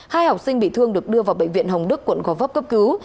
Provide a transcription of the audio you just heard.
hai học sinh bị thương được đưa vào bệnh viện hồng đức quận gò vấp cấp cứu